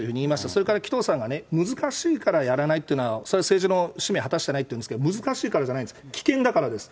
それから紀藤さんが難しいからやらないというのは、それは政治の使命果たしてないと言うんですけれども、難しいからじゃないんですよ、危険だからです。